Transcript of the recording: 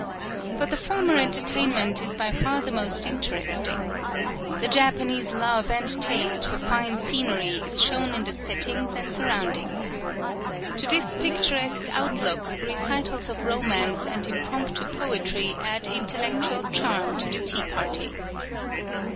But the former entertainment is by far the most interesting. The Japanese love and taste for fine scenery is shown in the settings and surroundings. To this picturesque outlook, recitals of romance and impromptu poetry add intellectual charm to the tea party.